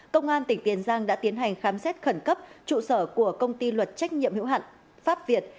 công an tỉnh tiền giang đã tiến hành khám xét khẩn cấp trụ sở của công ty luật trách nhiệm hữu hạn pháp việt